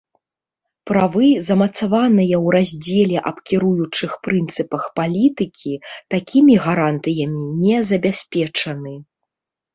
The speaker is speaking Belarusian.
Правы, замацаваныя ў раздзеле аб кіруючых прынцыпах палітыкі, такімі гарантыямі не забяспечаны.